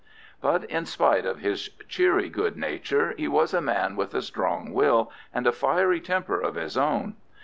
But, in spite of his cheery good nature, he was a man with a strong will and a fiery temper of his own.